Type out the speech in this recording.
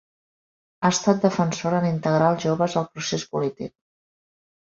Ha estat defensora en integrar els joves al procés polític.